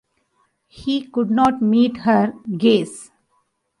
He could not meet her gaze.